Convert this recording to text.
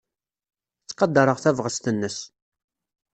Ttqadareɣ tabɣest-nnes.